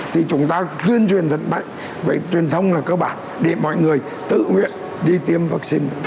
thì chúng ta tuyên truyền thật bệnh bệnh truyền thông là cơ bản để mọi người tự nguyện đi tiêm vaccine